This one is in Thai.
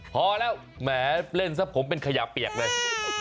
พอแล้วแหมเล่นซะผมเป็นขยะเปียกเลย